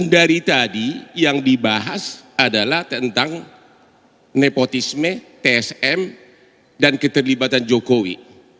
dari tadi yang dibahas adalah tentang nepotisme tsm dan keterlibatan jokowi